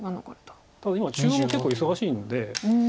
ただ今中央も結構忙しいんで。